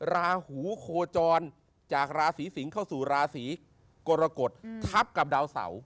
ราหูโคจรจากราศีสิงศ์เข้าสู่ราศีกรกฎทับกับดาวเสา